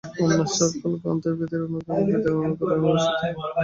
অন্য সকল গ্রন্থই বেদের অনুগামী, বেদের অনুকরণে রচিত।